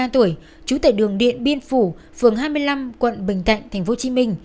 ba mươi ba tuổi trú tại đường điện biên phủ phường hai mươi năm quận bình thạnh tp hcm